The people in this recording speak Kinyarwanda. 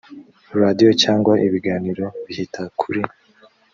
radiyo cyangwa ibiganiro bihita kuri